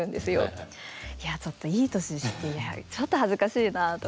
いやちょっといい年してちょっと恥ずかしいなとか。